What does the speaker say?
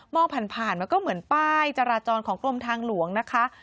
ผ่านผ่านมันก็เหมือนป้ายจราจรของกรมทางหลวงนะคะ